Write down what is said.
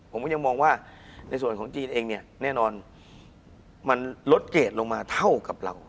ผมก็ยังมองว่าในส่วนของจีนเองเนี่ยแน่นอนมันลดเกรดลงมาเท่ากับเรา